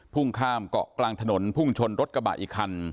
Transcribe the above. พุ่งข้ามเกาะกลางถนนพุ่งชนรถกระบะอีกคัน